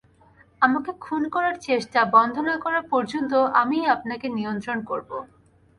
আমাকে খুন করার চেষ্টা বন্ধ না করা পর্যন্ত আমিই আপনাকে নিয়ন্ত্রণ করবো।